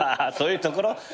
そういうところ？